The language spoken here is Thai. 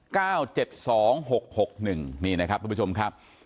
เก้าเจ็ดสองหกหกหนึ่งมีนะครับทุกผู้ชมครับ